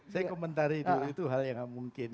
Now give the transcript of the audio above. saya komentari dulu itu hal yang gak mungkin